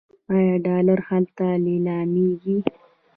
آیا ډالر هلته لیلامیږي؟